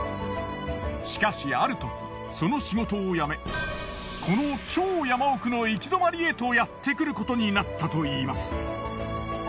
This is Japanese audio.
しかしあるときその仕事を辞めこの超山奥の行き止まりへとやってくることになったといいます。